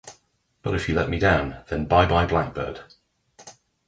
But if you let me down, then bye-bye-blackbird.